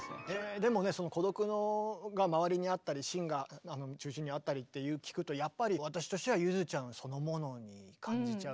でもねその孤独が周りにあったり芯が中心にあったりって聞くとやっぱり私としてはゆづちゃんそのものに感じちゃう。